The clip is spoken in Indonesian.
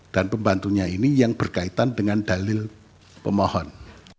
dan pembantunya ini yang berkaitan dengan dalil pemohon